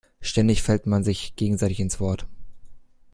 Ständig fällt man sich gegenseitig ins Wort.